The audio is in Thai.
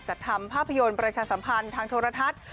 ทำภาพยนตร์ประชาสัมพันธ์ทางโทรทัศน์